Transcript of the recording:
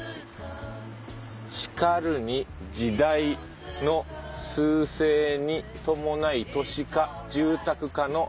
「しかるに時代の趨勢に伴い都市化住宅化の」。